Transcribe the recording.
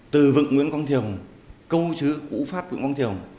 từ vựng nguyễn quang thiều câu chứ cũ pháp của nguyễn quang thiều